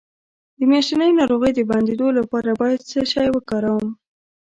د میاشتنۍ ناروغۍ د بندیدو لپاره باید څه شی وکاروم؟